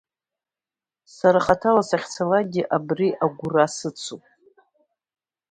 Сара хаҭала сахьцалакгьы абри агәра сыцуп.